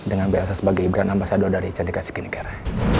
dengan mba asa sebagai ibran ambasado dari cadika skincare